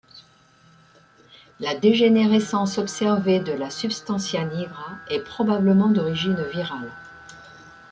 La dégénérescence observée de la substantia nigra est probablement d'origine virale.